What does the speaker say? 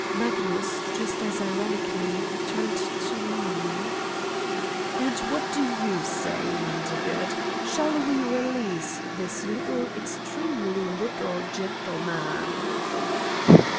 Magnus, just as ironically, turned to me : 1 ' And what do you say, Wondergood I Shall we release this little, extremely little, gentleman?"